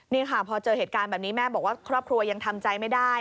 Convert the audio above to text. นี่ค่ะพอเจอเหตุการณ์แบบนี้แม่บอกว่าครอบครัวยังทำใจไม่ได้